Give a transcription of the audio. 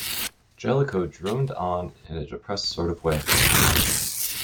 Jellicoe droned on in a depressed sort of way.